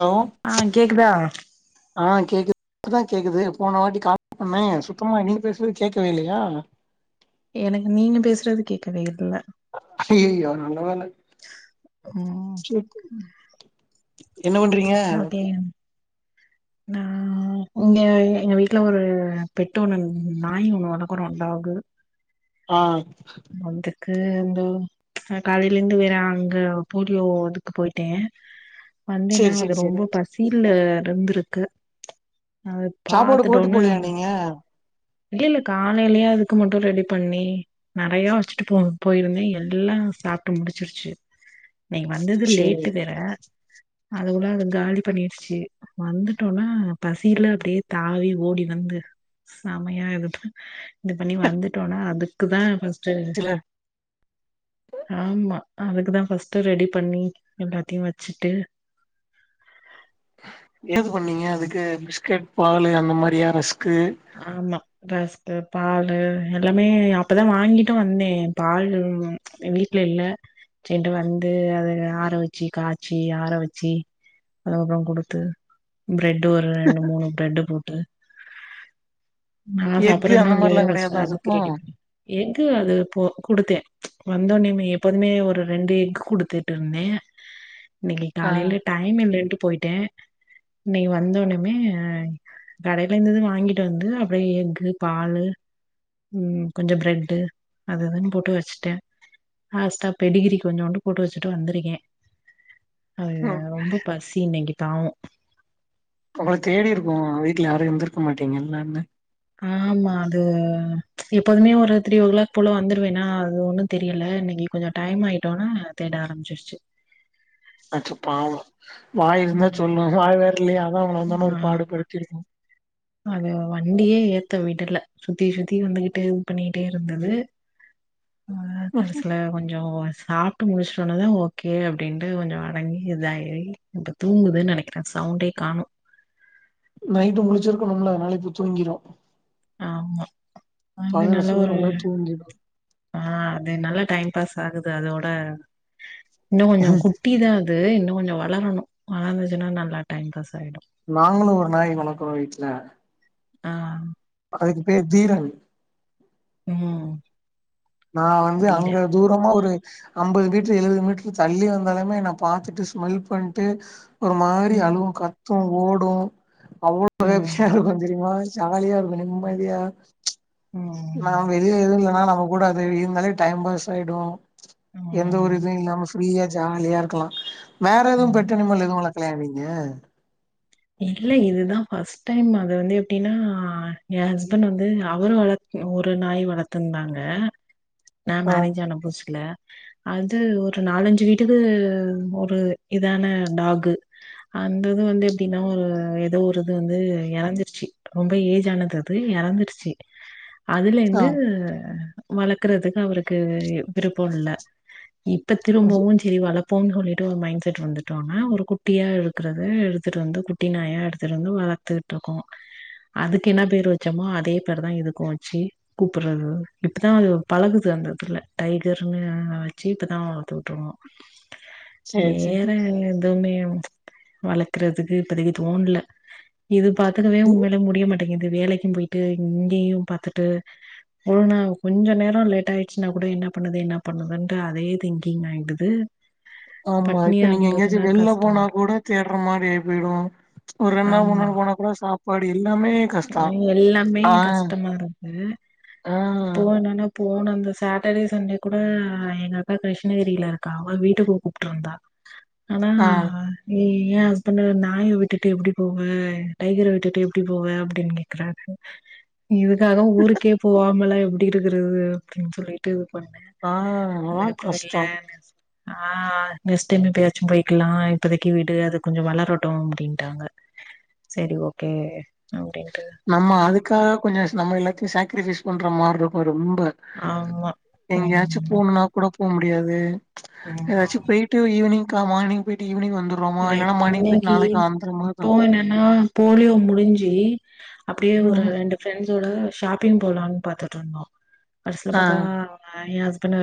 Hello ஆ கேக்குதா ஆ கேக்குது இப்பதா கேக்குது போன வாட்டி கால் பண்ணே சுத்தமா நீங்க பேஸ்னது கேக்கவே இல்லையா எனக்கு நீங்க பேசறது கேக்கவே இல்ல அய்யய்யோ நல்ல வேல ம் என்ன பண்றீங்க ஓகே நா இங்க எங்க வீட்ல ஒரு பெட்டு ஒண்ணு நாய் ஒண்ணு வளக்குறோ டாகு ஆ அந்துக்கு எந்தோ ஆ காலைலருந்து வேற அங்க போலியோ இதுக்கு போயிட்டே சேரி [unintelligible] அது சேரி சேரி ரொம்ப பசில்ல இருந்திருக்கு அது சாப்பாடு போட்டு பாத்துட்டோன்ன [unintelligible] இல்ல இல்ல காலையிலயே அதுக்கு மட்டு ரெடி பண்ணி நெறையா வச்சுட்டு போ போயிருந்தே எல்லா சாப்ட்டு முடிச்சிருச்சு இன்னைக்கு வந்தது சேரி லேட்டு வேற அதுக்குள்ள அத காலி பண்ணிடுச்சு வந்துட்டோன்னா பசில அப்டியே தாவி ஓடி வந்து [unintelligible] இது பண்ணி வந்துட்டோம்னா அதுக்குதா ஃபர்ஸ்ட்டு இல்ல ஆமா அதுக்கு தா ஃபர்ஸ்ட்டு ரெடி பண்ணி எல்லாத்தையு வச்சுட்டு ஏது பண்ணீங்க அதுக்கு பிஸ்கட் பாலு அந்த மாரியா ரஸ்க்கு ஆமா ரஸ்கு பால்லு எல்லாமே அப்பதா வாங்கிட்டு வந்தே பால் வீட்டுல இல்ல செரிண்டு வந்து அத ஆற வச்சு காய்ச்சி ஆற வச்சு [unintelligible] குடுத்து பிரெட் ஒரு ரெண்டு மூணு பிரெட்ட போட்டு நா எக்கு சாப்புறன்னோ அந்த மாரிலா இல்லையோ ஃபர்ஸ்ட் கெடையாதா அதுக்கு ரெடி பண்ணி எஃகு அது போ குடுத்தே வந்தோனிமே எப்போதுமே ஒரு ரெண்டு எக் குடுத்துட்டு இருந்தே இன்னைக்கு ஆ காலேல டைம் இல்லட்டு போய்ட்டே இன்னைக்கி வந்தோனுமே கடையில இருந்து வாங்கி ட்டு வந்து அப்டியே எஃகு பால்லு ம் கொஞ்சோ பிரட்டு அது இதுன் போட்டு வச்சுட்டே லாஸ்ட்ட பெடிகிரி கொஞ்சுண்டு போட்டு வச்சுட்டு வந்திருக்கே அது ம். ரொம்ப பசி இன்னைக்கி பாவு உங்கள தேடி இருக்கு வீட்ல யாரு இருந்திருக்க மாட்டீங்கல்லனு ஆமா அது எப்போதுமே ஒரு த்ரீ ஓ கிளாக் போல வந்துருவேன்னா அது ஒண்ணு தெரியல இன்னைக்கு கொஞ்சோ டைம் ஆயிட்டோம்னா தேட ஆரம்பிச்சிருச்சு அச்சோ பாவோ வாய் ஆ. இருந்தா சொல்லு வாய் வேற இல்லயா அதா உங்கள வந்தோன்னா ஆ ஒரு பாடு படுத்திருக்கு அது வண்டியே ஏத்த விடல சுத்தி சுத்தி வந்துகிட்டு இது பண்ணிட்டே இருந்தது ஆ கடைசில கொஞ்சோ வா சாப் தூங்கவெச்ட்டோனதா ஓகே அப்டின்ட்டு கொஞ்சோ அடங்கி இதாயி இப்போ தூங்குது நெனைக்கிற சவுண்டே காணோ நைட்டு முடிச்சிருக்கணும்ல அதனால இப்ப தூங்கிடு ஆமா அதுமெர் பகல நல்ல ஃபுல்லா ஒரு நல்லா தூங்கிடு ஆ அது நல்ல டைம் பாஸ் ஆகுது அதோட இன்னு கொஞ்சோ குட்டிதா அ து இன்ன கொஞ்சோ வளரணு வளந்துச்சுன்னா நல்லா டைம் பாஸ் ஆயிடு நாங்களு ஒரு நாய் வளக்குறோ வீட்ல ஆ அதுக்கு பேர் தீரன் ம் நா வந்து அங்க தீரன் தூரமா ஒரு அம்பது மீட்டர் எழுபது மீட்டர் தள்ளி வந்தாலுமே என்ன பாத்துட்டு ஸ்மெல் பண்ட்டு ஒரு மாரி ம் அழுவு கத்து ஓடு அவ்ளோ வேடிக்கையா ம் இருக்கு தெரியுமா ஜாலியா இரு க்கு ம் நிம்மதியா [unintelligible] நா வெளிய எது இல்லைனா நம்ம கூட அது இருந்தாலே டைம் பாஸ் ஆயிடு எந்த ஒரு ம் இதுவு இல்லாம ஃப்ரீயா ஜாலியா இருக்கலா வேற எதுவு ம் பெட் அனிமல் எது வள ப்பலயா நீங்க இல்ல இதுதா ஃபர்ஸ்ட் டைம் அது வந்து எப்டின்னா எ ஹஸ்பண்ட் வந்து அவரு வள ஒரு நாய் வளத்திருந்தாங்க நா ஆ மேரேஜ் ஆன புதுசுல அது ஒரு நாலஞ்சு வீட்டுக்கு ஒரு இதான டாகு அந்த இது வந்து எப்டின்னா ஒரு ஏதோ ஒரு இது வந்து எறந்திருச்சு ரொம்ப ஏஜ் ஆனது அது எறந்துருச்சு அதுல ஆ இருந்து வளக்குறதுக்கு அவருக்கு விருப்பம் இல்ல இப்ப திரும்பவும் செரி வளப்போம்ன் சொல்லிட்டு ஒரு மைண்ட் செட் வந்துட்டோனா ஒரு குட்டியா இருக்குறத எடுத் எடுத்து வந்து குட்டி நாயா எடுத்துட்டு வந்து வளத்துகிட்டு இருக்கோம் அதுக்கு என்ன பேரு வச்சமோ அதே பேருதா இதுக்கும் வச்சு கூப்பிடுறது இப்பதான் அது பழகுது அந்த இதுல டைகர்னு வச்சு இப்பதான் கூப்பிடுவோம் சேரி சேரி வேற எதுவுமே வள க்குறதுக்கு இப்பதைக்கு தோண்ல இது பாத்துக்கவே உண்மையிலே முடியமட் டேங்குது வேலைக்கும் போயிட்டு இங்கேயும் பாத்துட்டு ஒரு நாள் கொஞ்சம் நேரம் லேட் ஆயிடுச்சுனா கூட என்ன பண்ணுது என்ன பண்ணுதுன்ட்டு அதே திங்கிங் ஆயிடுது ஆமா பட்னியா இப்ப நீங்க எங்கயாச்சும் இருந்ததுன்னா வெளில கஷ்டமா போனா இருக்கு கூட தேட்ற மாரி ஆய் போய்டு ஒரு ரெண்நாள் மூண்நாள் போனா கூட சாப்பாடு எல்லாமே கஷ்டோ அ எல்லாமே ஆ கஷ்டமா இருப்பு ஆ போனன்னா போன அந்த சாட்டர்டே சண்டே கூட எங்க அக்கா கிருஷ்ணகிரில இருக்கா அவ வீட்டுக்கு கூப்ட்ருந்தா ஆனா ஆ ம் ஏ ஹஸ்பண்டு நாய விட்டுட்டு எப்டி போவ டைகர விட்டுட்டு எப்டி போவ அப் அப்டினு கேக்குறாரு இதுக்காக ஊருக்கே போவாமல்லாம் எப்புடி இருக்குறது அப்புடின்னு சொல்லி ட்டு இது பண்ணேன் ஆ அதெல்லா அதுக்கப்புறம் கஷ்டோ இல்ல சொ ஆ நெக்ஸ்ட் டைம் எப்பயாச்சும் போய்க்கலா இப்பதைக்கு விடு அது கொஞ்சோ வளரட்டும் அப்டின்ட்டாங்க சேரி ஓகே அப்டின் நம்ம அதுக்காக கொஞ்சம் நம்ம எல்லாத்தையும் சேக்ரிபைஸ் பண்ற மாதிரி இருக்கும் ரொம்ப ஆமா எங்கயாச்சும் ஆமா போணுனா கூட போ முடியாது ஆமா ஏதாச்சும் போயிட்டு ஈவினிங் கா மார்னிங் போயிட்டு ஈவினிங் வந்துரு ம் இன்னைக்கு இப்போ என்னன்னா போலியோ முடிஞ்சு அப்டியே ஒரு ம் ரெண்டு ஃப்ரெண்ட்ஸோட ஷாப்பிங் போலாம்னு பாத்துட்டு இருந்தோம் கடைசில ஆ பாத்தா அ எ ஹஸ்பண்ட்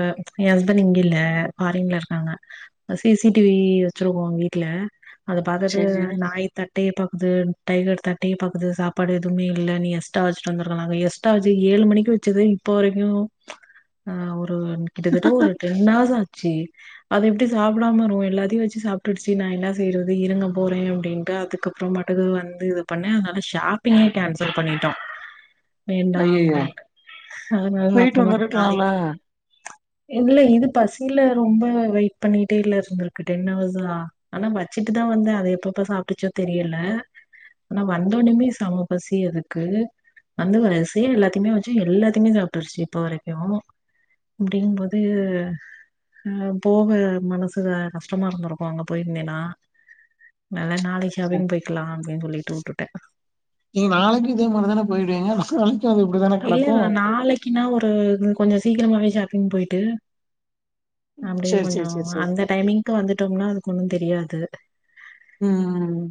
எ ஹஸ்பண்ட் இங்கில்ல ஃபாரின்ல இருக்காங்க சிசிடிவி வச்சிருக்கோ வீட்ல அத பாத்துட்டு சேரி சேரி நாய் த ட்டே பாக்குது டைகர் தட்டே பாக்குது சாப்பாடு எதுமே இல்ல நீ எஸ்டா வச்சுட்டு வந்துருக்கலா எஸ்டா வச்சி ஏழு மணிக்கு வச்சது இப்போ வரைக்கும் ஆ ஒரு கிட்டத்தட்ட ஒரு டென்ஹார்ஸ் ஆச்சு அது எப்புடி சாப்பிடாம வரும் எல்லாத்தையும் வச்சு சாப்பிட்டு ச்சு நா என்ன செய்யறது இருங்க போறே அப்டின்ட்டு அதுக்கப்புறோ பாட்டக்கு வந்து இது பண்ணே அதனால ஷா ஷாப்பிங்கே கேன்சல் பண்ணிட்டோம் வேண்டாம் ஐயையோ அப்டின்ட்டு அதனால போயிட்டு அப்புறமேட்டைக்கு நாளைக் வந்திருக்கலால்ல இல்ல இது பசியில ரொம்ப வெயிட் பண்ணிட்டே இல்ல இருந்திருக்கு டென் ஹவர்ஸா ஆனா வச்சுட்டுதா வந்த அது எப்பப்ப சாப்ட்டுச்சோ தெரியல ஆனா வந்தோனுமே செமபசி அதுக்கு வந்து அத செய்றது எல்லாத்தையுமே வச்சு எல்லாத்தையுமே சாப்புட்டுருச்சு இப்போ வரைக்கு அப்புடிங்கும் போது ஆ போக மனசுல கஷ்டமாருந்துருக்கு அங்க போய்ருந்தேனா நல்லா நாளைக்கி அதையு போய்க்கலா அப்டின் சொல்லீட்டு உட்டுட்டே நீங்க நாளைக்கியு இதே மாரிதான போய்டுவீங்க து அப்ப இப்டிதான கெடக்கு இல்லல நாளைக்கின்னா ஒரு கொஞ்சோ சீக்கரமாவே ஷாப்பிங் போயிட்டு அப்டியே சேரி கொஞ்சோ சேரி சேரி சேரி அந்த டைமிங்க்கு வந்துட்டோம்னா அதுக்கு ஒன்னு தெரியாது ம் ம்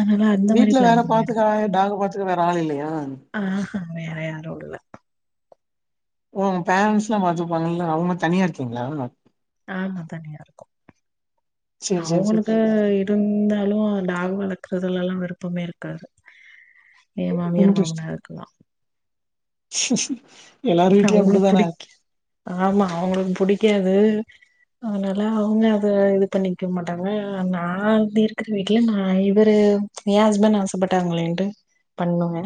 அதனால அந்த மாரி வீட்ல வேற பிளான் பண்ணிடுவோ பாத்துக்கா டாக்க பாத்துக்க வேற ஆள் இல்லையா ஆ வேற யாருல்ல ஓ உங்க பேரன்ட்ஸ்ல்லா பாத்துப்பாங்கள்ள அவுங்க தனியா இருக்கீங்களா ஆமா தனியாருக்கோ சேரி சேரி சேரி அவங்களுக்கு இப் ட்டுன்ந்தாலு டாகு வளக்கறதெல்லா விருப்பமே இருக்காது எ மாமியர் இன்ட்ரெஸ்டிங் மாமனாருக்கெல்லா எல்லார் வீட்லயு அவுங்களுக்கு அப்டிதான புடிக் ஆமா அவுங்களுக்கு புடிக்காது அதனால அவுங்க அத இது பண்ணிக்க மாட்டாங்க நா வந்து இருக்கற வீட்ல நா இவரு எ ஹஸ்பண்ட் ஆசப்பட்டாங்களேன்ட்டு பண்ணுவே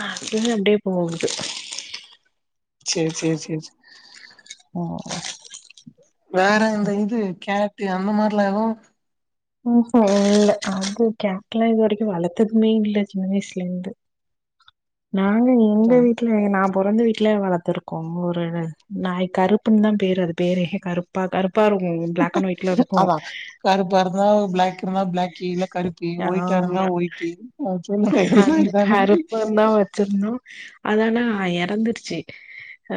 அ ம் அப்டியே போகுது செர் செர் செர் ஓ வேற இந்த இது கேட் அந்த மாரிலா எதுவு ம்ஹும் இல்ல அது கேட்டலா இது வரைக்கு வளத்ததுமே இல்ல சின்ன வயசுலருந்து நாங்க எங்க அதா வீட்டுல நா பொறந்த வீட்ல வளத் துருக்கோ ஒரு நாய் கருப்புன்னு தா பேரு அது பேரே கருப்பா கருப்பு பாருங்கேயன் அதா கருப்பாருந்தா பிளாக்குருந்தா பிளாக்கி இல்ல கருப் க்கி ஒயிட்டா இருந்தா ஆமா ஒய்ட்டி சொல்லுவாயிங்கள்ல அந்த இதானக்கி கருப்புன் தா வச்சிருந்தோ அதனா எறந்துருச்சு ஆ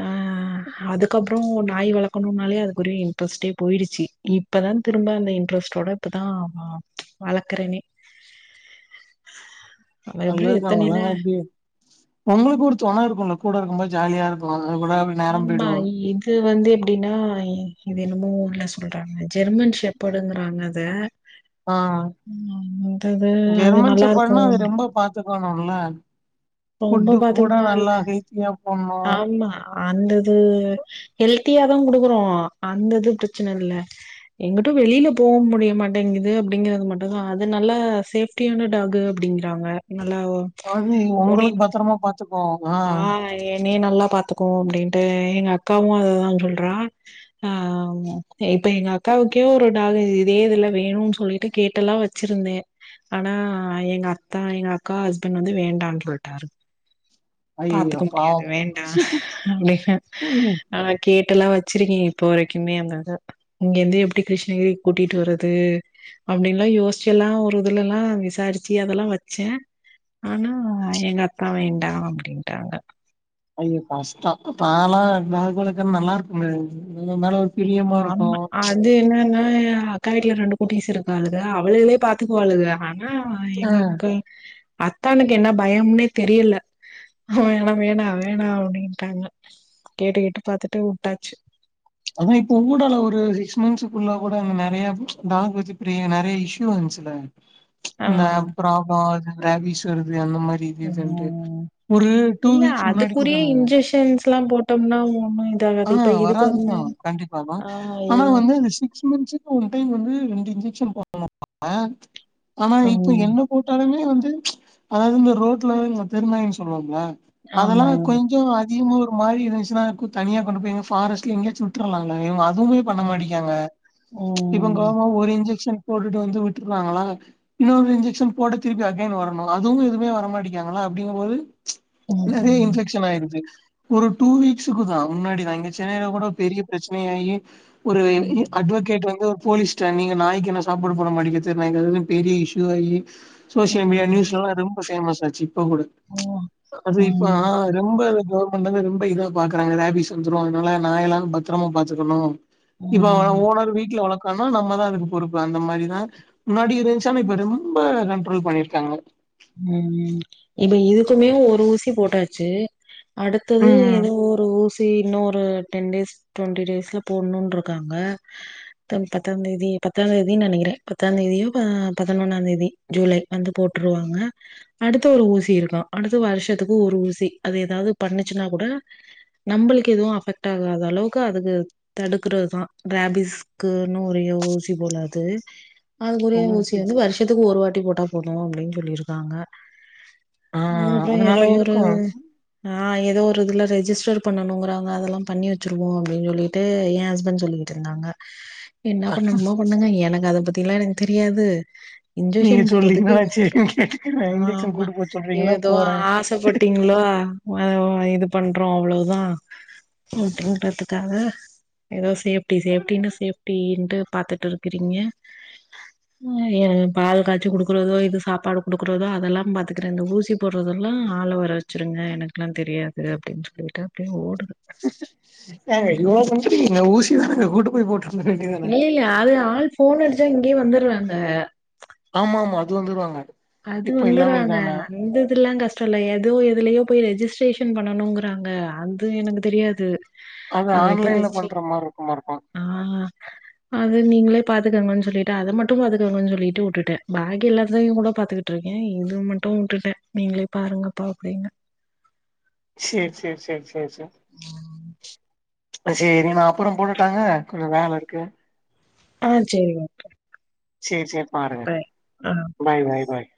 அதுக்கப்புறோ நாய் வளக்கணுன்னாலே அதுக்கு ஒரு இன்ட்ரெஸ்டே போயிடுச்சு இப் பதா திரும்ப அந்த இன்ட்ரெஸ்டோட இப்பதா வளக்கறனே அதுக்கப்றோ நல்லதுதா எத்தனைன வளங்க அப்டியே உங்களுக்கு ஒரு தொண இருக்குல்ல கூட இருக்கும் போது ஜாலியாருக்கலா ஆமா இது இது வந்து எப்டின்னா இது என்னமோ ஊர்ல சொல்றாங்க ஜெர்மன் ஷெப்பர்ட்டுங்குறாங்க அத ஆ ம் ம் இது அது நல்லாருக்கு த்துக்கணுன்னா ரொம்ப ஃபுட்டு கூட பாத்துக்கமா நல்லா இருக்கு ஹெல்த்தியா போட்னு ஆமா அந்த இது ஹெல்த்தியாதா குடுக்குறோ அந்த இது பிரச்சனல்ல எங்கிட்டு வெளியில போக முடிய மாட்டேங்கிது அப்படிங்கறது மட்டும்தா அது நல்லா சேஃப குட்டியான டாகு அப்டிங்கறாங்க நல்லா அது உன்னை உங்களுக்கு பத்துரமா பாத்துக்கோவாங்க ஆ என்னைய நல்லா பாத்துக்கு அப்டின்ட்டு எங்க அக்காவு அதுதா சொல்றா ஆ இப்ப எங்க அக்காவுக்கே ஒரு டாகு இதே இதுல வேணுன்னு சொல்லிட்டு கேட்டல்லா வச் வச்சிருந்தே ஆனா எங்க அத்தா எங்க அக்கா ஹஸ்பண்ட் வந்து வேண்டானு சொல்லிட்டாரு ஐயையோ பாத்துக்க முடியாது பாவம் வேண்டா லைப்ப ம் ஆனா கேட்டு எல்லா வச்சிருக்கே இப்போ வரைக்குமே அந்தத இங்க இருந்து எப்டி கிருஷ்ணகிரிக்கு கூட்டிட்டு வர்றது அப்டின்ல்லாம் யோசிச்ச எல்லா ஒரு இதுல எல்லா விசாரிச்சு அதெல்லா வச்சே ஆனா எங்க அக்கா வேண்டா அப்டின்ட்டாங்க ஐயோ கஷ்டம் தாலா டாக் வளக்க நல்லா இருக்குமே இன்னு மேல பிரியமா இருக்கு ஆமா அந் இது என்னன்னா அக்கா வீட்டுல ரெண்டு குட்டிஸ் இருக்காளுங்க அவளுகளே பாத்துக்குவளுங்க ஆனா ஆ எங்க அக்கா அத்தானுக்கு என்ன பயம்னே தெரியல அவங்க எல்லா வேணா வேணா அப்டின்ட்டாங்க கேட்டு கேட்டு பாத்துட்டு வுட்டாச்சு அதா இப்ப ஊடால ஒரு சிக்ஸ் மந்த்த்ஸ் குள்ள கூட அந்த நிறைய டாக் வச்சு பெரிய நெறைய இஷ்யூ வந்துச்சுல ஆ என்ன ப்ராப்ள அது ரபீஸ் வருது அந்த மாரி இது இதுன்ட்டு ம் ஒரு இல்ல வீக்ஸ் முன்னாடி அதுக்குரியே கூடங்க. இன்ஜெக்ஷன்ஸ் எல்லா போட்டோம்னா ஒண்ணு இது ஆகாது இப்ப இதுக்கு வந்து ஆ கண்டிப்பாப்பா ஆ இ ஆனா வந்து இந்த சிக்ஸ் மந்த்ஸ் போன டைம் வந்து ரெண்டு இன்ஜெக்ஷன் போட்டாங்க ஆனா இப்ப ம் என்ன போட்டாலுமே வந்து அதாவது இந்த ரோட்ல தெரு நாய்ன்னு சொல்லுவாங்கல அதெல்லா ஆமா. கொஞ்சோ அதிகமா ஒரு மாரி இருந்துச்சுன்னா தனியா கொண்டு போய் எங்க ஃபாரஸ்ட் டுல எங்காச்சு விட்ருலால்ல இவங்க அதுவுமே பண்ண ம். மாட்டிக்காங்க இப்ப இங்க ம். ஒரு இன்ஜெக்ஷன் போட்டுட்டு வந்து விட்டுருறாங்களா இன்னொரு இன்ஜெக்ஷன் போட்ட திருப்பி அகைன் வரணு அதுவு எதுவுமே வர மாட்டக்காங்களா அப்டிங்கும் போது நெறைய ம். இன்பெக்க்ஷன் ஆயிருது ஒரு டூ வீக்ஸுக்கு தா முன்னாடி தா எங்க சென்னைல கூட பெரிய பிரச்சனை ஆகி ஒரு ம். அட்வகேட் வந்து ஒரு போலீஸ் சா நீங்க நாய்க்கி என்ன சாப்பாடு போட மாட்டிங்க தெரு நாயிகளுக்குன்னு பெரிய இஷயூ ஆகி சோசியல் மீடியா ம். நியூஸ் எல்லா ரொம்ப ஃபேமஸ் ஆச்சு இப்போ கூட அது இப்ப ம். ஆ ரொம்ப இது கவர்மெண்ட்ல இந்து ரொம்ப இதா பாக்குறாங்க ரேபீஸ் வந்துரு அதானல நாய எல்லா பத்திரமா பாத்துக்கணு இப்ப ஓனர் வீட்ல வளர் கனா நம்மதா அதுக்கு பொறுப்பு அந்த மாரிதா முன்னாடி இருந்துச்சு ஆனா இப்ப ரொம்ப கண்ட்ரோல் பண்ணிருக்காங்க ம் ம் இப்ப இதுக்குமே ஒரு ஊசி போட்டாச்சு அடுத்தது ம் எதோ ஒரு ஊ சி இன்னு ஒரு டென் டேஸ் டுவெண்ட்டி டேஸ்ல போடணுனு இருக்காங்க பத்து பத்தாம் தேதி பத்தாம் தேதினு நெனைக்கிறே பத்தாம் தேதியோ ப பதினொன்னா தேதி ஜூலை வந்து போட்டுருவாங்க அடுத்த ஒரு ஊசி இருக்கு அடுத்த வருஷத்துக்கு ஒரு ஊசி அது ஏதாவது பண்ணுச்சுன்னா கூட நம்பளுக்கு எதுவு அஃபெக்ட் ஆகாத அளவுக்கு அதுக்கு தடுக்கறதுதா ராபிஸ்க்கன்னு ஒரு ஊசி போலது ஓ அதுக்குரிய ஊசிய செரி வந்து செரி வருஷத்துக்கு ஒரு வாட்டி போட்டா போது அப்டின் சொல்லிருக்காங்க ஆ அதுக்கப்புறோ அதனால ஏதோ ஒரு இருக்கு அ ஏதோ ஒரு இதுல ரெஜிஸ்டர் பண்ணணுங்கறாங்க அதெல்லா பண்ணி வச்சிருவோ அப்டின்னு சொல்லிட்டு எ ஹஸ்பண்ட் சொல் னாங்க [inaudible] என்ன பண்ணணுமா பண்ணுங்க எனக்கு அத பத்திலா எனக்கு தெரியாது நீங்க இன்ஜெக்ஷன் சொல்றீங்கன்னா போடுறதுக்கு நான் வரட்டு சரின்னு கேட்டுக்கிறேன் இன்ஜெக்ஷன் ஆமா கூட்டு போக சொல்றீங்களா ஏதோ போறேன் ஆசைப்பட் டீங்களா அ இது பண்றோ அவ்ளோதா அப்டின்றதுக்காக எதோ சேஃப்டி சேஃப்டினு சேஃப்டின்ட்டு பாத்துட்ருக் ரிங்க ஏ பால் காய்ச்சி கொடுக்கறதோ இது சாப்பாடு கொடுக்குறதோ அதெல்லாம் பாத்துக்குறேன் இந்த ஊசி குடுகுறதோ அதெல்லாம் பாத்துகுரேன் இந்த ஊசி போடுறதெல்லாம் ஆள வர வச்சருங்க எனக்கலாம் தெரியாது அப்படின்னு சொல்லிட்டு அப்படியே ஓடுது ஏங்க இவ்ளோ செஞ்சிடீங்க ஊசிதானங்க கூட்டு போய் போட்றுக்க வேண்டிதானே எ அது ஆள் ஃபோன் அடிச்சா இங்கேயே வந்துடுறாங்க ஆமாமா அது வந்துருவாங்க அது இப்ப எல்லாமே வந்துருவாங்க இதானே அந்த இதுல்லாம் கஷ்ட ரல ஏதோ எதுலயோ போய் ரெஜிஸ்ட்ரேஷன் பண்ணனும்ங்கறாங்க அது எனக்கு தெரியாது அது எப்ப ஆன்லைன்ல ரெஜிஸ்ட்ரே பண்ற மாதிரி இருக்கும் மாரி இருக்கும் ஆ அது நீங்களே பாத்துக்கோங்கன்னு சொல்லிட்டு அத மட்டும் பாத்துக்கோங்கன்னு சொல்லிட்டு விட்டுட்டேன் பாகி எல்லாத்தையும் கூட பாத்துக்கிட்டு இருக்கேன் இது மட்டும் விட்டுட்டேன் நீங்களே பாருங்கப்பா அப்படின்னு செர் செர் செர் செர் ச் செரி நா அப்புறம் போடட்டாங்க கொஞ்சம் வேல இருக்கு ஆ செரி ஓகெ செர் செர் பாருங்க ஆ. பாய் பாய் பாய்